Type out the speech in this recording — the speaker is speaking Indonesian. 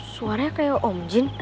suaranya kayak om jin